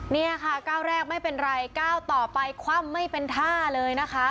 นี่ค่ะก้าวแรกไม่เป็นไรก้าวต่อไปคว่ำไม่เป็นท่าเลยนะคะ